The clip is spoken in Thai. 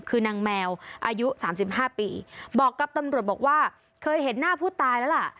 คือนางแมวอายุ๓๕ปีบอกกับตำรวจบอกว่าเคยเห็นหน้าผู้ตายแล้วล่ะ